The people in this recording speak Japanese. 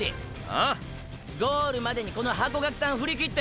あ⁉ゴールまでにこのハコガクさんふりきって。